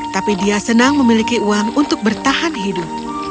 tapi dia senang memiliki uang untuk bertahan hidup